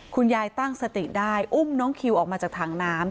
คุณยายตั้งสติได้อุ้มน้องคิวออกมาจากถังน้ำ